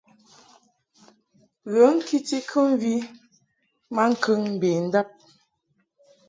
Ghə ŋkiti kɨmvi maŋkəŋ mbendab.